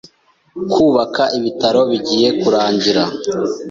Kubaka ibitaro bigiye kurangira.